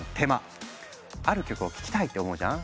ある曲を聴きたいって思うじゃん？